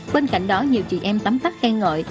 bên cạnh đó nhiều chị em tắm tắt khen ngợi